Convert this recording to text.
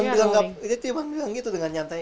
dia cuman bilang gitu dengan nyantai